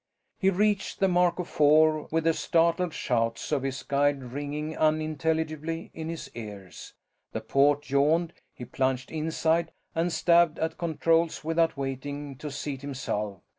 He reached the Marco Four with the startled shouts of his guide ringing unintelligibly in his ears. The port yawned; he plunged inside and stabbed at controls without waiting to seat himself.